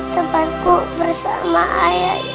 tempatku bersama air